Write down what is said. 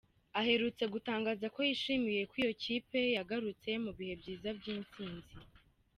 Aherutse gutangaza ko yishimiye ko iyi kipe yagarutse mu bihe byiza by’intsinzi.